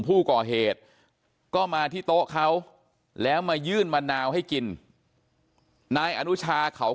ผู้ก่อเหตุก็มาที่โต๊ะเขาแล้วมายื่นมะนาวให้กินนายอนุชาเขา